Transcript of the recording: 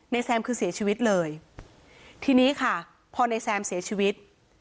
แซมคือเสียชีวิตเลยทีนี้ค่ะพอในแซมเสียชีวิต